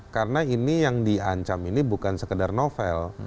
karena ini yang diancam ini bukan sekedar novel